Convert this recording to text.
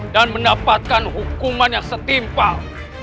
dan mendapatkan hukuman yang setimpal